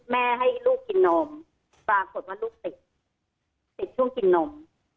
แม่ให้ลูกกินนมปรากฏว่าลูกติดติดช่วงกินนม